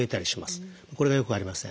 これが良くありません。